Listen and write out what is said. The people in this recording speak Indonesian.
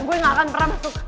gue gak akan pernah masuk